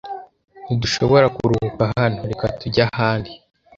Ntidushobora kuruhuka hano. Reka tujye ahandi.